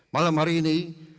malam hari ini